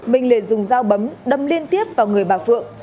minh liền dùng dao bấm đâm liên tiếp vào người bà phượng